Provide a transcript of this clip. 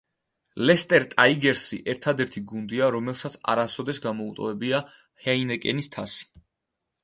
ლესტერ ტაიგერსი ერთადერთი გუნდია, რომელსაც არასოდეს გამოუტოვებია ჰეინიკენის თასი.